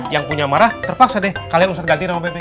yang punya marah terpaksa deh kalian ustadz ganti nama bebek